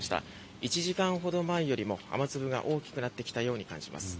１時間ほど前よりも雨粒が大きくなってきたように感じます。